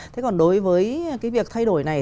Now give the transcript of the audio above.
thế còn đối với cái việc thay đổi này